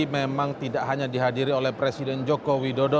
memang tidak hanya dihadiri oleh presiden joko widodo